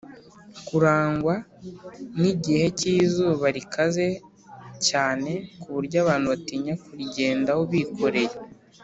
kurangwa n igihe k izuba rikaze cyane ku buryo abantu batinya kuri gendaho bikoreye